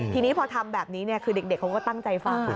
ทีนี้พอทำแบบนี้คือเด็กเขาก็ตั้งใจฟัง